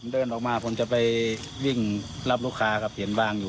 เดินออกมาผมจะไปวิ่งรับลูกค้าครับเห็นวางอยู่